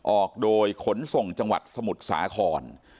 ออกโดยขนส่งจังหวัดสมุทรสาคร